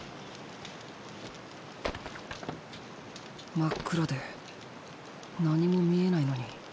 真っ暗で何も見えないのに。